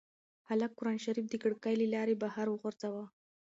هلک قرانشریف د کړکۍ له لارې بهر وغورځاوه.